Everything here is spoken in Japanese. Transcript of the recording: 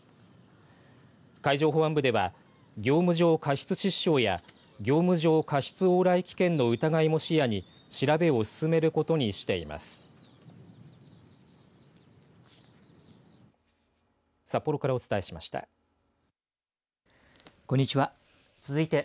海上保安部では業務上過失致死傷や業務上過失往来危険の疑いも視野に調べを進めることにしています。